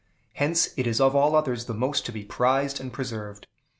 Hence it is of all others the most to be prized and preserved.